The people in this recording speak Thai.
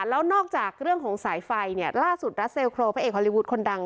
แล้วนอกจากเรื่องของสายไฟเนี่ยล่าสุดรัสเซลโครพระเอกฮอลลีวูดคนดัง